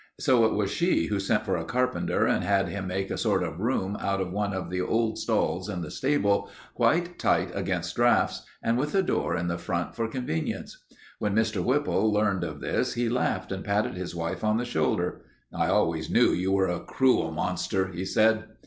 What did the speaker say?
So it was she who sent for a carpenter and had him make a sort of room out of one of the old stalls in the stable, quite tight against draughts, and with a door in the front for convenience. When Mr. Whipple learned of this he laughed and patted his wife on the shoulder. "I always knew you were a cruel monster," he said.